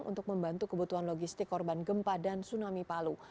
untuk membantu kebutuhan logistik korban gempa dan tsunami palu